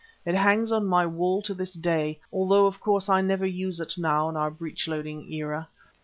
It hangs on my wall to this day, although of course I never use it now in our breech loading era.